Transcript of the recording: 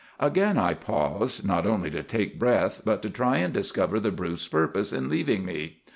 "Again I paused, not only to take breath, but to try and discover the brute's purpose in leaving me.